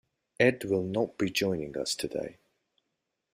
Ed will not be joining us today.